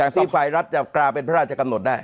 ที่ฝ่ายรัฐจะกลายเป็นพระราชกำหนดได้